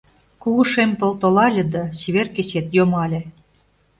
Кугу шем пыл толале да, Чевер кечет йомале.